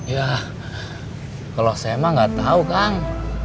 ya kalau saya mah nggak tahu kang